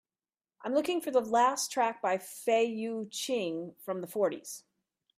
I'm looking for the last track by Fei Yu Ching from the fourties